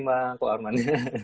mbak kok arman